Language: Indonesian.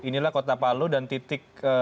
inilah kota palu dan titik